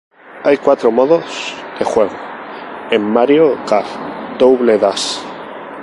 Hay cuatro modos de juego en "Mario Kart: Double Dash!!